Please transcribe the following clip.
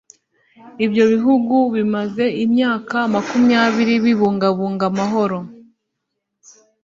Ibyo bihugu bimaze imyaka makumyabiri bibungabunga amahoro